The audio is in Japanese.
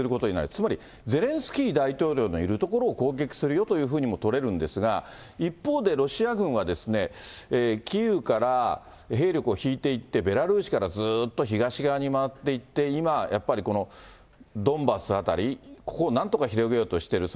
つまりゼレンスキー大統領のいる所を攻撃するよというふうにも取れるんですが、一方でロシア軍はキーウから、兵力を引いていって、ベラルーシからずっと東側に回っていって、今、やっぱり、このドンバス辺り、ここ、なんとか広げようとしている。